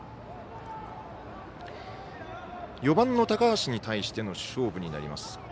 ４番の高橋に対しての勝負になります。